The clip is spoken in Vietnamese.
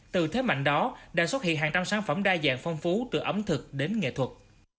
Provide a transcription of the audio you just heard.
từ thế mạnh đó đã xuất hiện hàng trăm sản phẩm đa dạng phong phú từ ẩm thực đến nghệ thuật